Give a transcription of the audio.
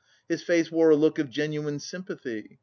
His face wore a look of genuine sympathy.